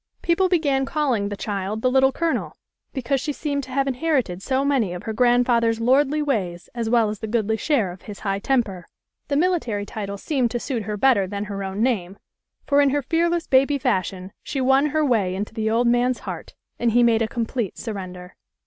People be gan calling the child the Little Colonel because she seemed to have inherited so many of her grand father's lordly ways as well as a goodly share of his 14 THE LITTLE COLONELS HOLIDAYS. high temper. The military title seemed to suit her better than her own name, for in her fearless baby fashion she won her way into the old man's heart, and he made a complete surrender.